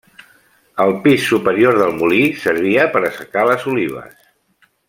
El pis superior del molí servia per a assecar les olives.